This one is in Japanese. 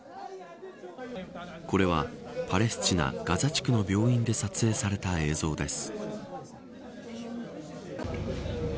これは、パレスチナガザ地区の病院で撮影された映像です。